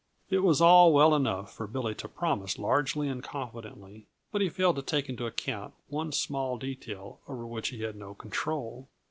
It was all well enough for Billy to promise largely and confidently, but he failed to take into account one small detail over which he had no control.